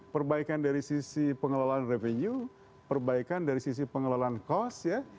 perbaikan dari sisi pengelolaan revenue perbaikan dari sisi pengelolaan cost ya